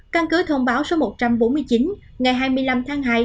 căn cứ thông báo số một trăm bốn mươi chín ngày hai mươi năm tháng hai